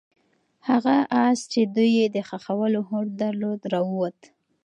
هغه آس چې دوی یې د ښخولو هوډ درلود راووت.